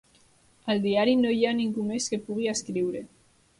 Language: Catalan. Al diari no hi ha ningú més que pugui escriure!